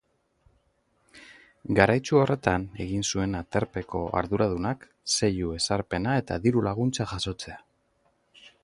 Garaitsu horretan egin zuen aterpeko arduradunak seilu ezarpena eta diru-laguntza jasotzea.